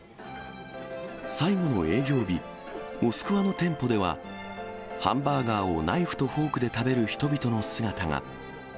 最後の営業日、モスクワの店舗では、ハンバーガーをナイフとフォークで食べる人々の姿が。